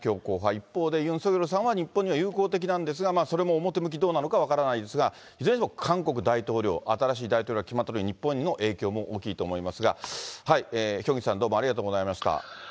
一方でユン・ソギョルさんは友好的なんですが、それも表向きどうなのか分からないですが、いずれにしても韓国大統領、新しい大統領決まったときに日本への影響も大きいと思いますが、ヒョンギさん、どうありがとうございました。